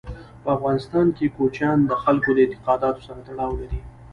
په افغانستان کې کوچیان د خلکو د اعتقاداتو سره تړاو لري.